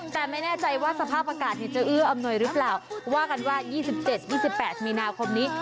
แต่ไม่แน่ใจว่าสภาพอากาศเนี้ยจะอื้ออำนวยหรือเปล่าว่ากันว่ายี่สิบเจ็ดยี่สิบแปดมีนาคมนี้